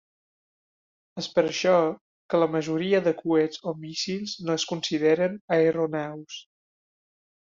És per això que la majoria de coets o míssils no es consideren aeronaus.